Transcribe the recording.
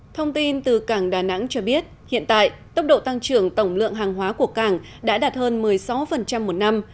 thông tin từ cảng đà nẵng cho biết hiện tại tốc độ tăng trưởng tổng lượng hàng hóa của cảng đã đạt hơn một mươi sáu một năm